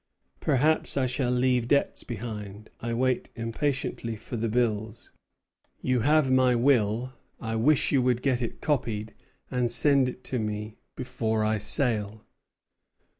Perhaps I shall leave debts behind. I wait impatiently for the bills. You have my will; I wish you would get it copied, and send it to me before I sail."